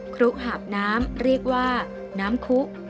ครุหาบน้ำเรียกว่าน้ำคุ